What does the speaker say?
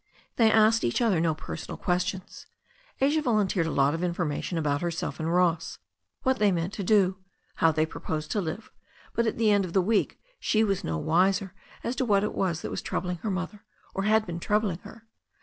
They asked each other no personal questions. Asia vol unteered a lot of information about herself and Ross, what they meant to do, how they proposed to live, but at the end of the week she was no wiser as to what it was that was troubling her mother, or had been troubling her.